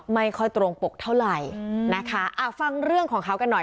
ไม่ค่อยตรงปกเท่าไหร่นะคะอ่าฟังเรื่องของเขากันหน่อย